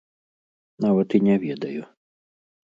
Нават і не ведаю.